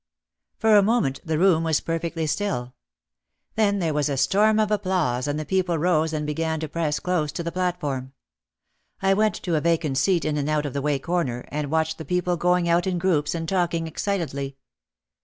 For a moment the room was perfectly still. Then there was a storm of applause and the people rose and began to press close to the platform. I went to a vacant seat in an out of the way corner and watched the people going out in groups and talking excitedly.